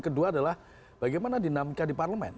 kedua adalah bagaimana dinamika di parlemen